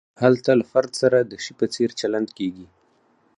هلته له فرد سره د شي په څېر چلند کیږي.